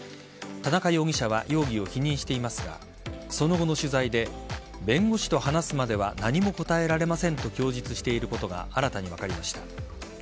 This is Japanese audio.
田中容疑者は容疑を否認していますがその後の取材で弁護士と話すまでは何も答えられませんと供述していることが新たに分かりました。